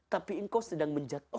tapi engkau sedang menjadikan orang